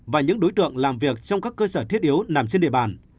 và những đối tượng làm việc trong các cơ sở thiết yếu nằm trên địa bàn